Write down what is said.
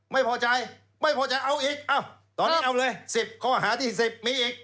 ไม่พอใจเอาอีกตอนนี้เอาเลย๑๐ข้อหาที่๑๐มีอีก